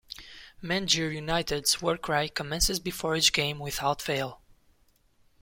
Mangere United's war cry commences before each game without fail.